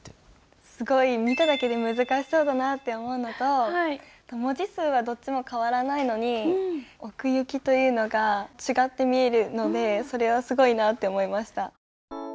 すごい見ただけで難しそうだなって思うのと文字数はどっちも変わらないのに奥行きというのが違って見えるのでそれはすごいなって思いました。